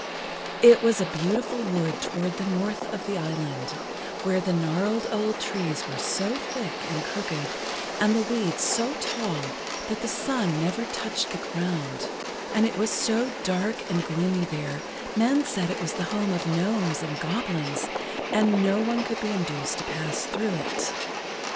It was a beautiful wood toward the north of the island, where the gnarled old trees were so thick and crooked and the weeds so tall that the sun never touched the ground, and it was so dark and gloomy there men said it was the home of gnomes[Pg 9] and goblins and no one could be induced to pass through it.